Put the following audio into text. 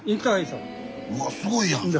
うわすごいやんそれ。